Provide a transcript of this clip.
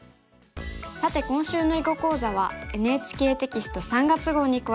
さて今週の囲碁講座はＮＨＫテキスト３月号に詳しく載っています。